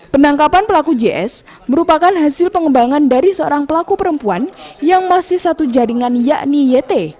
penangkapan pelaku js merupakan hasil pengembangan dari seorang pelaku perempuan yang masih satu jaringan yakni yt